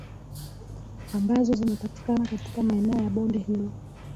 Ambazo zinapatikana katika maeneo ya Bonde hilo